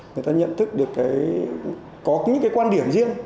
người ta nhận thức được có những cái quan điểm riêng